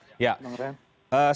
selamat malam bung rehan